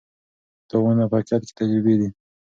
تاوانونه په حقیقت کې تجربې دي.